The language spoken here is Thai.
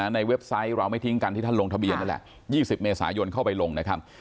เว็บไซต์เราไม่ทิ้งกันที่ท่านลงทะเบียนนั่นแหละ๒๐เมษายนเข้าไปลงนะครับ